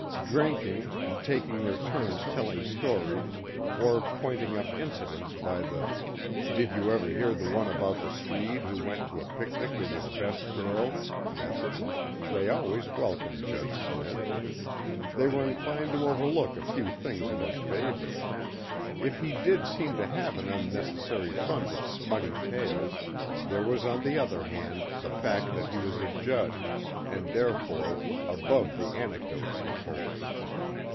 Drinking, taking their turns telling stories or pointing up incidents by the "did you ever hear the one about the Swede who went to a picnic with his best girl" method, they always welcomed Judge Smith. They were inclined to overlook a few things in his favor. If he did seem to have an unnecessary fund of smutty tales, there was on the other hand the fact that he was a judge and therefore above the anecdotes he told.